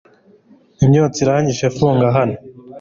Imyotsi iranyishe funga aho